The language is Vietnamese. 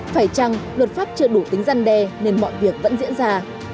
phải chăng luật pháp chưa đủ tính răn đe nên mọi việc vẫn diễn ra